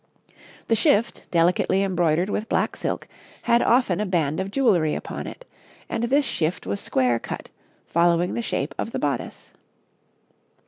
The shift, delicately embroidered with black silk, had often a band of jewellery upon it, and this shift was square cut, following the shape of the bodice.